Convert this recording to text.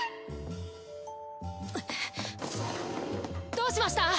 どうしました！？